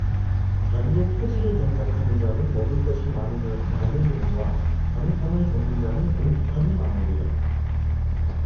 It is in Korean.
자기의 토지를 경작하는 자는 먹을 것이 많으려니와 방탕을 좇는 자는 궁핍함이 많으리라